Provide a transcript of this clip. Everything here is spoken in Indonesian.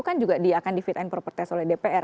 kan juga dia akan di fit and proper test oleh dpr